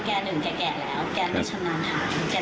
แกไม่ชำนาญหา